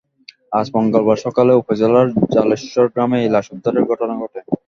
আজ মঙ্গলবার সকালে উপজেলার জালেশ্বর গ্রামে এই লাশ উদ্ধারের ঘটনা ঘটে।